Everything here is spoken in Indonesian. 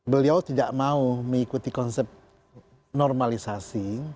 beliau tidak mau mengikuti konsep normalisasi